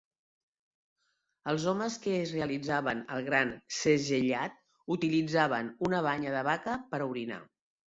Els homes que es realitzaven el "gran segellat" utilitzaven una banya de vaca per a orinar.